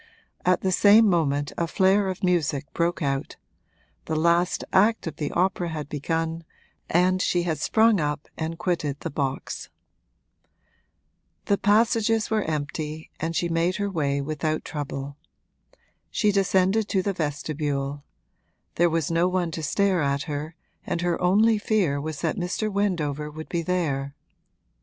At the same moment a flare of music broke out: the last act of the opera had begun and she had sprung up and quitted the box. The passages were empty and she made her way without trouble. She descended to the vestibule; there was no one to stare at her and her only fear was that Mr. Wendover would be there.